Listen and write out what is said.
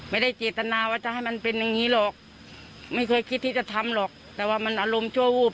ไม่เคยคิดที่จะทำหรอกแต่ว่ามันอารมณ์ชั่ววูบ